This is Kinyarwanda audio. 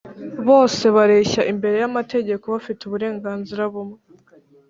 Bose bareshya imbere y amategeko bafite uburenganzira bumwe